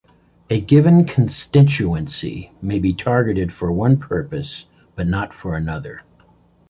A given constituency may be targeted for one purpose, but not for another.